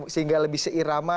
sehingga lebih seirama